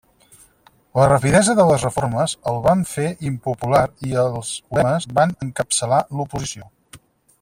La rapidesa de les reformes el van fer impopular i els ulemes van encapçalar l'oposició.